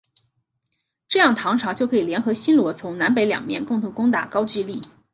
这样唐朝就可以联合新罗从南北两面共同攻打高句丽。